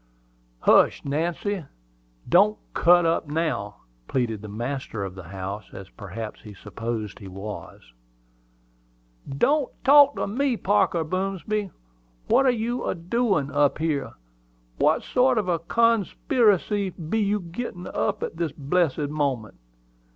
"Hush, Nancy! Don't cut up now!" pleaded the master of the house, as perhaps he supposed he was. "Don't talk to me, Parker Boomsby! What are you a doin' up here? What sort of a con spy racy be you gittin' up at this blessed moment?